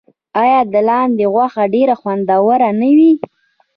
آیا د لاندي غوښه ډیره خوندوره نه وي؟